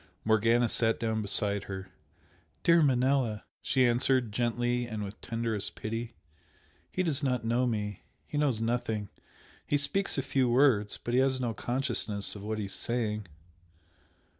Morgana sat down beside her. "Dear Manella" she answered, gently and with tenderest pity "He does not know me. He knows nothing! He speaks a few words, but he has no consciousness of what he is saying."